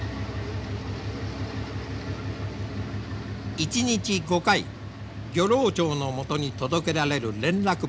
１日５回漁労長のもとに届けられる連絡簿。